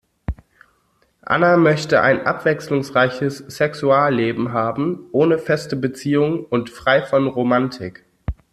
Anna möchte ein abwechslungsreiches Sexualleben haben, ohne feste Beziehung und frei von Romantik.